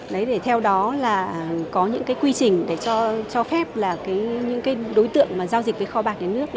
đấy để theo đó là có những quy trình để cho phép là những đối tượng giao dịch với kho bạc nhà nước